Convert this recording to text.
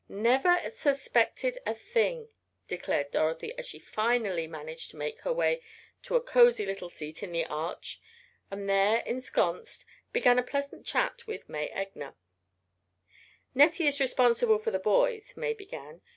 "Never suspected a thing," declared Dorothy, as she finally managed to make her way to a cozy little seat in the arch, and there ensconced, began a pleasant chat with May Egner. "Nettie is responsible for the boys," May began.